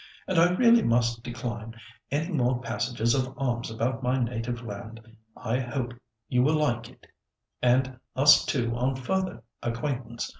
"And I really must decline any more passages of arms about my native land. I hope you will like it, and us too on further acquaintance.